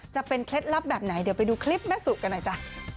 เคล็ดลับแบบไหนเดี๋ยวไปดูคลิปแม่สุกันหน่อยจ้ะ